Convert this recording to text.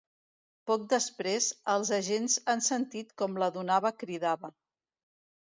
Poc després, els agents han sentit com la donava cridava.